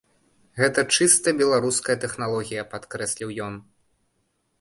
Гэта чыста беларуская тэхналогія, падкрэсліў ён.